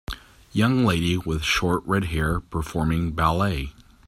Young lady with short redhair performing ballet.